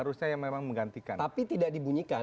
harusnya yang memang menggantikan tapi tidak dibunyikan